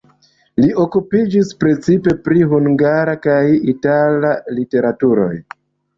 Li okupiĝis precipe pri hungara kaj itala literaturoj.